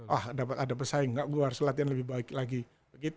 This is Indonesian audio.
wah ada persaing enggak gue harus latihan lebih lagi